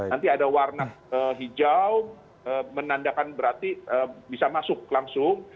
nanti ada warna hijau menandakan berarti bisa masuk langsung